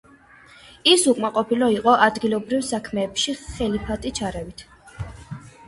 ის უკმაყოფილო იყო ადგილობრივ საქმეებში ხალიფატი ჩარევით.